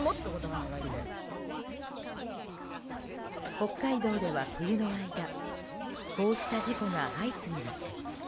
北海道では、冬の間こうした事故が相次ぎます。